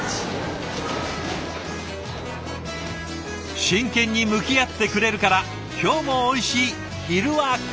真剣に向き合ってくれるから今日もおいしい昼はくる。